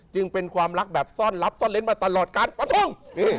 จึงเป็นความรักแบบซ่อนลับซ่อนเล้นมาตลอดการประทง